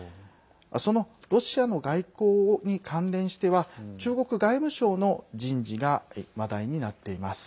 そのロシアの外交に関連しては中国外務省の人事が話題になっています。